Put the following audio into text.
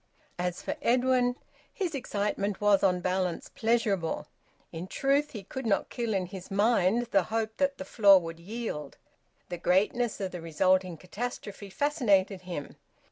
As for Edwin, his excitement was, on balance, pleasurable. In truth, he could not kill in his mind the hope that the floor would yield. The greatness of the resulting catastrophe fascinated him.